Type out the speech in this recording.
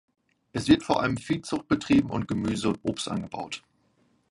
Es wird vor allem Viehzucht betrieben und Gemüse und Obst angebaut.